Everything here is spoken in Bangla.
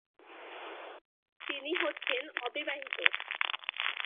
তিনি হচ্ছেন অবিবাহিত।